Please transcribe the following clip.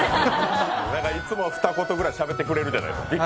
大体いつも二言ぐらいしゃべってくれるじゃない。